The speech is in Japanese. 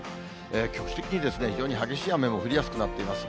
局地的に非常に激しい雨も降りやすくなっています。